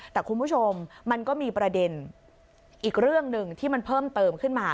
แต่คุณผู้ชมมันก็มีประเด็นอีกเรื่องหนึ่งที่มันเพิ่มเติมขึ้นมา